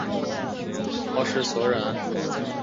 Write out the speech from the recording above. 皇帝的黄袍用柘黄所染。